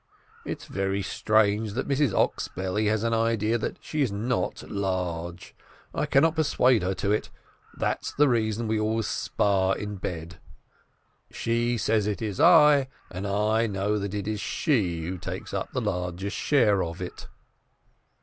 It's very strange that Mrs Oxbelly has an idea that she is not large. I cannot persuade her to it. That's the reason we always spar in bed. She says it is I, and I know that it is she, who takes the largest share of it."